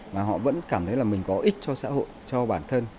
mà họ vẫn cảm thấy là mình có ích cho xã hội cho bản thân